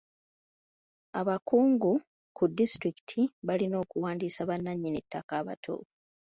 Abakungu ku disitulikiti balina okuwandiisa bannannyini ttaka abatuufu.